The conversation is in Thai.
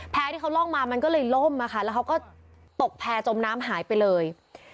ที่เขาล่องมามันก็เลยล่มนะคะแล้วเขาก็ตกแพร่จมน้ำหายไปเลย